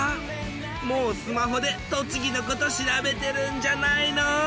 もうスマホで栃木のこと調べてるんじゃないの？